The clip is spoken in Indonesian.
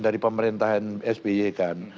dari pemerintahan sby kan